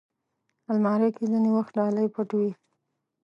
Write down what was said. الماري کې ځینې وخت ډالۍ پټ وي